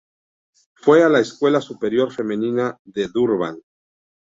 Fue a la escuela superior femenina de Durban.